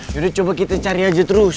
sudah coba kita cari aja terus